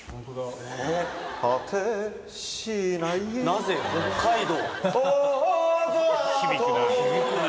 なぜ北海道？